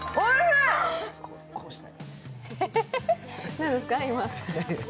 何ですか、今？